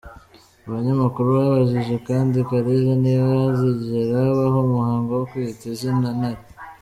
Abanyamakuru babajije kandi Kariza niba hazigera habaho umuhango wo kwita “Izina Intare”.